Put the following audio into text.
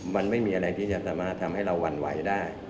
มันไม่มีอะไรที่จะสามารถทำให้เราหวั่นไหวได้